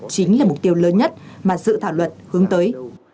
chính là mục tiêu lớn nhất mà dự thảo luật hướng tới